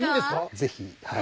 ぜひはい。